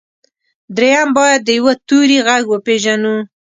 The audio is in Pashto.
درېيم بايد د يوه توري غږ وپېژنو.